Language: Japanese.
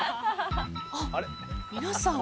あっ皆さん。